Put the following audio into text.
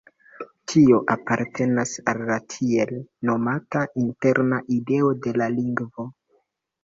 Tio apartenas al la tiel nomata interna ideo de la lingvo.